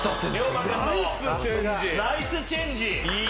ナイスチェンジ！